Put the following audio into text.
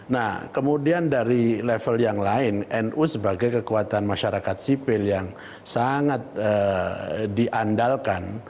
nah kemudian dari level yang lain nu sebagai kekuatan masyarakat sipil yang sangat diandalkan